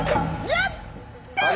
やった！